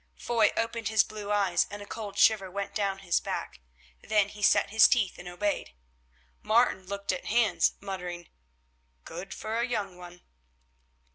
Foy opened his blue eyes and a cold shiver went down his back. Then he set his teeth and obeyed. Martin looked at Hans, muttering, "Good for a young one!"